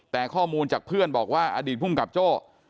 แต่ข้อมูลจากเพื่อนบอกว่าอดีตภูมิกับโจ้